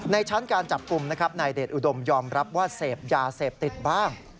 ชั้นการจับกลุ่มนะครับนายเดชอุดมยอมรับว่าเสพยาเสพติดบ้าง